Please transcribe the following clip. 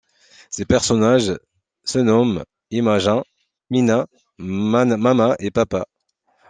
Ces personnages se nomment Imajin, Mina, Mama et Papa.